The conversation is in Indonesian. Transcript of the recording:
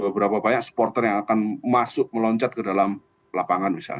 berapa banyak supporter yang akan masuk meloncat ke dalam lapangan misalnya